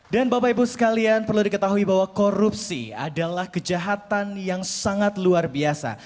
dan bapak ibu sekalian perlu diketahui bahwa korupsi adalah kejahatan yang sangat luar biasa